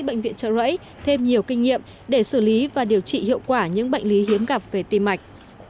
bệnh viện trợ rẫy thêm nhiều kinh nghiệm để xử lý và điều trị hiệu quả những bệnh lý hiếm gặp về tim mạch